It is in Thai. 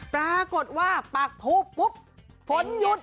ปรากฏว่าปากทูบปุ๊บฝนหยุด